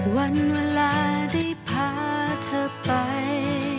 วันเวลาได้พาเธอไป